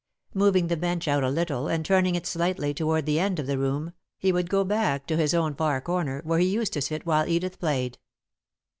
Moving the bench out a little and turning it slightly toward the end of the room, he would go back to his own far corner, where he used to sit while Edith played.